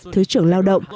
thứ trưởng lao động